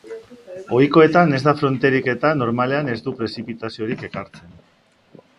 Ohikoetan, ez da fronterik eta, normalean, ez du prezipitaziorik ekartzen.